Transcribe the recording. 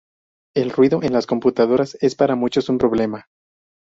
El ruido en las computadoras es para muchos un problema.